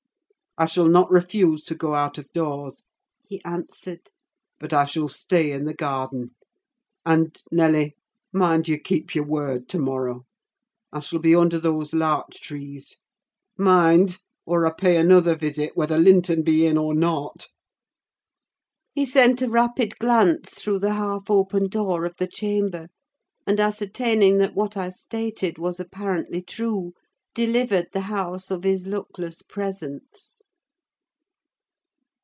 "I shall not refuse to go out of doors," he answered; "but I shall stay in the garden: and, Nelly, mind you keep your word to morrow. I shall be under those larch trees. Mind! or I pay another visit, whether Linton be in or not." He sent a rapid glance through the half open door of the chamber, and, ascertaining that what I stated was apparently true, delivered the house of his luckless presence.